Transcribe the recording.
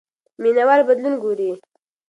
مینه وال بدلون ګوري.